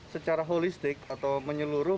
secara holistic atau menyeluruh